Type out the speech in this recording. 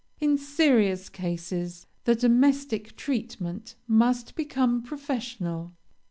In serious cases, the domestic treatment must become professional.